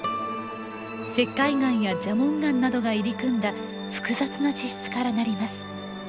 石灰岩や蛇紋岩などが入り組んだ複雑な地質からなります。